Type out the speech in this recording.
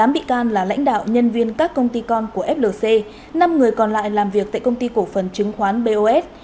tám bị can là lãnh đạo nhân viên các công ty con của flc năm người còn lại làm việc tại công ty cổ phần chứng khoán bos